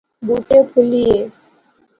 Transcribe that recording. بُوٹے پُھلی غئے